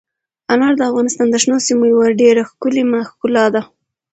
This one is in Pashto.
انار د افغانستان د شنو سیمو یوه ډېره ښکلې ښکلا ده.